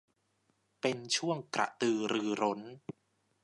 เป็นช่วงกระตือรือร้น